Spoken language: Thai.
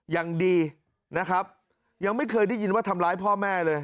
ยังดีนะครับยังไม่เคยได้ยินว่าทำร้ายพ่อแม่เลย